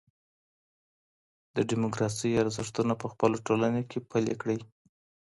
د ډيموکراسۍ ارزښتونه په خپله ټولنه کي پلي کړئ.